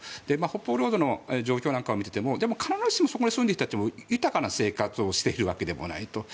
北方領土の状況なんかを見ていてもでも、必ずしもそこに住んでいた人たちも豊かな生活をしているわけでもないと。